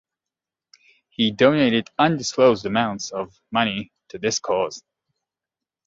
He donated undisclosed amounts of money to this cause.